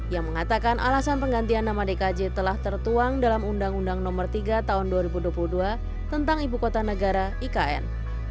yang mengatakan alasan penggantian nama dkj telah tertuang dalam undang undang nomor tiga tahun dua ribu dua puluh dua tentang ibu kota negara ikn